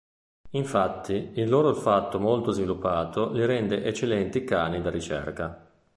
Infatti, il loro olfatto molto sviluppato li rende eccellenti cani da ricerca.